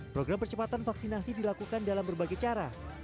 program percepatan vaksinasi dilakukan dalam berbagai cara